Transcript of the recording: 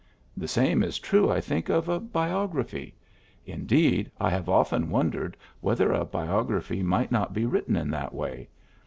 The same is true, I think, of a biography. Indeed, I have often wondered whether a biog raphy might not be written in that way.